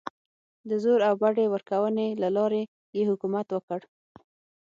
د زور او بډې ورکونې له لارې یې حکومت وکړ.